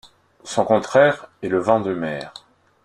Son contraire est le vent de mer.